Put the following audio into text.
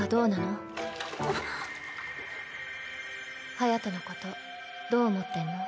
隼のことどう思ってんの？